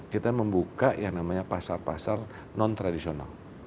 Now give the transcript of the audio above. kita membuka yang namanya pasar pasar non tradisional